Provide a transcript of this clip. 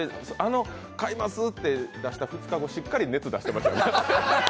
あの買いますって出した２日後しっかり熱出してましたからね。